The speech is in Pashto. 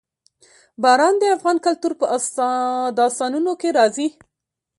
باران د افغان کلتور په داستانونو کې راځي.